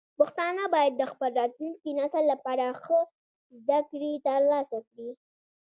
پښتانه باید د خپل راتلونکي نسل لپاره ښه زده کړې ترلاسه کړي.